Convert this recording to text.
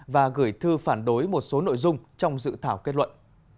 và gửi thư phản đối một số nội dung trong dự thảo kết luận